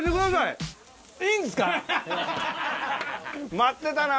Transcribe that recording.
待ってたな。